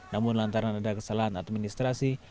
namun lantaran ada kesalahan administrasi